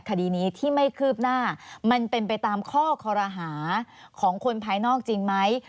คดีนี้ที่ไม่คืบหน้ามันเป็นไปตามข้อคอรหาของคนภายนอกจริงไหม